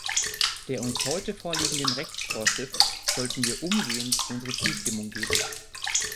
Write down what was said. Der uns heute vorliegenden Rechtsvorschrift sollten wir umgehend unsere Zustimmung geben.